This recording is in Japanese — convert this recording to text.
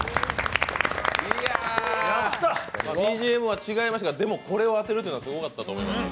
ＢＧＭは違いましたがでもこれを当てるというのはすごかったと思います。